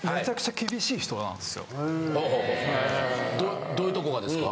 ・ええっ・どういうとこがですか？